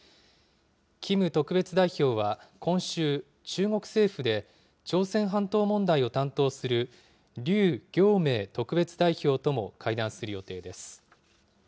キム特別代表は今週、中国政府で朝鮮半島問題を担当する、劉暁明特別代表とも会談する予定です。